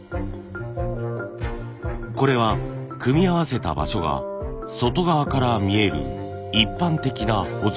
これは組み合わせた場所が外側から見える一般的なほぞ。